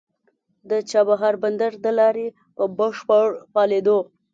د چابهار بندر د لارې په بشپړ فعالېدو